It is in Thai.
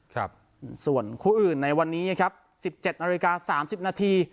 ครับส่วนคู่อื่นในวันนี้นะครับสิบเจ็ดนาฬิกาสามสิบนาที